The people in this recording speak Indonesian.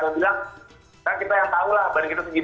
ada yang bilang kan kita yang tahu lah badan kita gimana gitu ya